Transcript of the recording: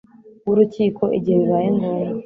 w urukiko igihe bibaye ngombwa